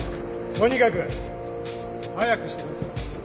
とにかく！早くしてください。